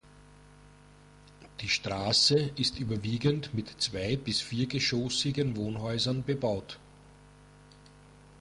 Die Straße ist überwiegend mit zwei bis viergeschossigen Wohnhäusern bebaut.